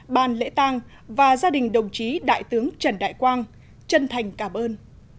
ban lễ tang và gia đình đồng chí đại tướng trần đại quang chân thành cảm ơn